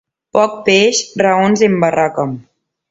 Poc peix, raons en barraca.